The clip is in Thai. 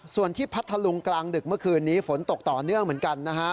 ส่วนที่พัทธลุงกลางดึกเมื่อคืนนี้ฝนตกต่อเนื่องเหมือนกันนะฮะ